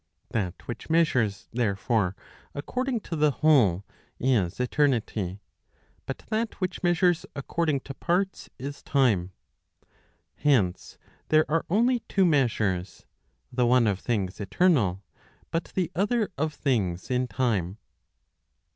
That which measures, therefore, according to the whole is eternity; but that which measures according to parts is time. Hence, ♦ there are only two measures, the one of things eternal, but the other of things in time.